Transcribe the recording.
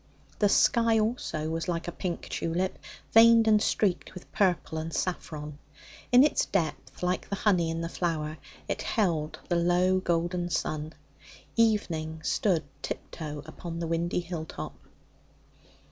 The sky also was like a pink tulip veined and streaked with purple and saffron. In its depth, like the honey in the flowers, it held the low, golden sun. Evening stood tiptoe upon the windy hill top.